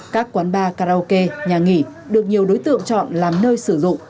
các quán bar karaoke nhà nghỉ được nhiều đối tượng chọn làm nơi sử dụng